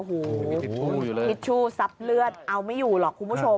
มิทชูอยู่เลยมิทชูซับเลือดเอาไม่อยู่หรอกคุณผู้ชม